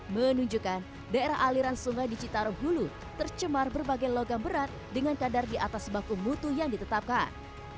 menunjukkan daerah aliran sungai di citarum hulu tercemar berbagai logam berat dengan kadar di atas baku mutu yang ditetapkan